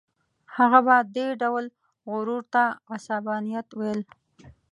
هغه به دې ډول غرور ته عصبانیت ویل.